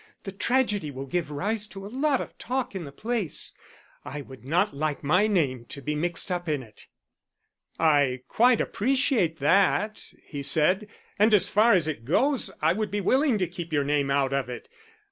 "The tragedy will give rise to a lot of talk in the place. I would not like my name to be mixed up in it." "I quite appreciate that," he said. "And as far as it goes I would be willing to keep your name out of it.